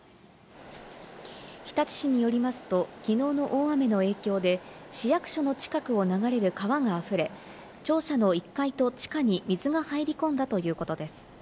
日立市によりますと、きのうの大雨の影響で市役所の近くを流れる川があふれ、庁舎の１階と地下に水が入り込んだということです。